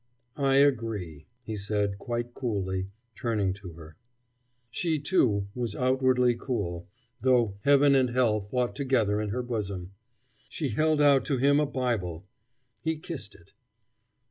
"I agree," he said quite coolly, turning to her. She, too, was outwardly cool, though heaven and hell fought together in her bosom. She held out to him a Bible. He kissed it.